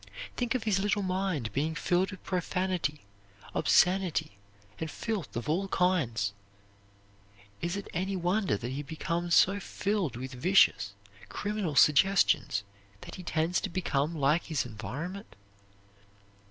Think of his little mind being filled with profanity, obscenity, and filth of all kinds! Is it any wonder that he becomes so filled with vicious, criminal suggestions that he tends to become like his environment?